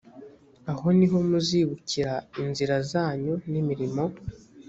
aho ni ho muzibukira inzira zanyu n’imirimo